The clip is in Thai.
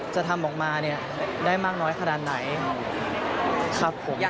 จะทำออกมาเนี่ยได้มากน้อยขนาดไหนครับผม